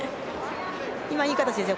今、いい形ですよ